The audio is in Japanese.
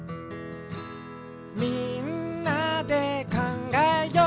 「みんなでかんがえよう」